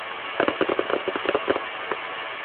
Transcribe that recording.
სერაფიმ საროველის ეკლესიის წინამძღვარი ნორმანდიაში.